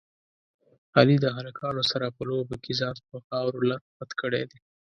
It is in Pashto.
علي د هلکانو سره په لوبو کې ځان په خاورو لت پت کړی دی.